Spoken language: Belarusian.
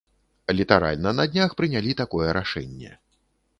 Літаральна на днях прынялі такое рашэнне.